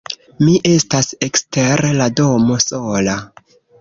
Mi estas ekster la domo, sola.